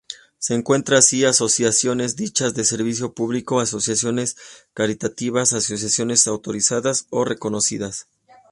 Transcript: Se encuentran así asociaciones dichas de servicio público, asociaciones caritativas, asociaciones autorizadas o reconocidas.